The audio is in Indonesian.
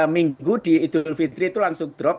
minggu di idul fitri itu langsung drop